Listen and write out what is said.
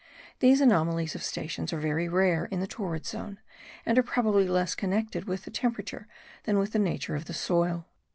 These anomalies of stations are very rare in the torrid zone and are probably less connected with the temperature than with the nature of the soil.